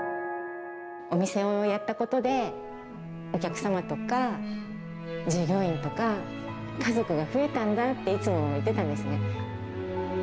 お店をやったことで、お客様とか従業員とか、家族が増えたんだって、いつも言ってたんですね。